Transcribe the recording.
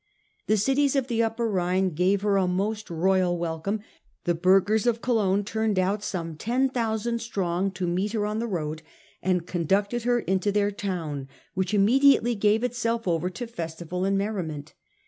The cities of the Upper Rhine gave her a most royal welcome : the burghers of Cologne turned out some ten thousand strong to meet her on the road, and conducted her into their town, which immediately gave itself over to festival and merriment.